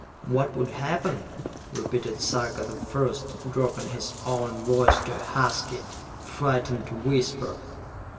"What would happen?" repeated Sarka the First, dropping his own voice to a husky, frightened whisper.